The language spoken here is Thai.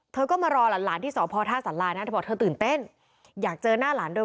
เขาก็มารอหลานที่สภธสารานะเขาบอกเขาตื่นเต้นอยากเจอน่าร้านเร็ว